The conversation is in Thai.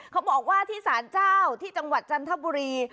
เขาบอกว่าที่สารเจ้าที่จังหวัดจันทบุรี